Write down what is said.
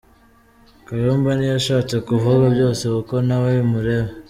Kayumba ntiyashatse kuvuga byose kuko nawe bimureba.